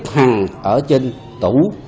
hằng ở trên tủ